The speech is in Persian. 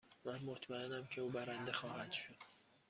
من مطمئنم که او برنده خواهد شد.